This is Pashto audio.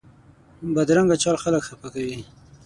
بدرنګه چال خلک خفه کوي